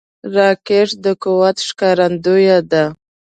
راکټ د قوت ښکارندوی ده